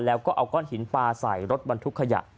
แล้วก็เอาก้อนหินปลาใส่รถบรรทุกขยะ